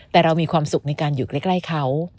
แต่เรามีความสุขในการอยู่ใกล้เขา